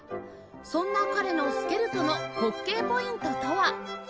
そんな彼のスケルツォの滑稽ポイントとは？